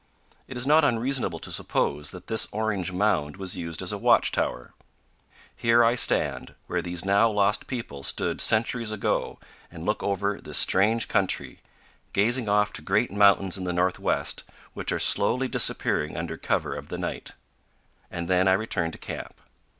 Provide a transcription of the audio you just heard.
It is not unreasonable to suppose that this orange mound was used as a watchtower. Here I stand, where these now lost people stood centuries ago, and look over this strange country, gazing off to great mountains in the northwest which are slowly disappearing under cover of the night; and then I return to camp.